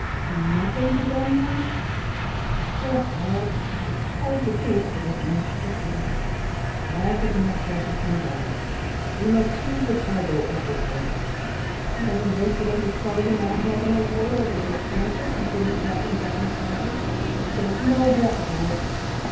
"Can nothing be done, then?" "Yes, lad; it's hard to do it, but it must be done; life is more precious than gold we must heave the cargo overboard. I have invested every farthing I have in the world in this venture," continued Captain Bunting, sadly, "but there's no help for it.